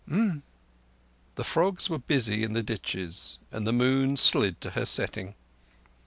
"Umm!" The frogs were busy in the ditches, and the moon slid to her setting.